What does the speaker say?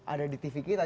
ada di tv kita